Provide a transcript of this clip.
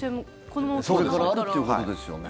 これからあるっていうことですよね。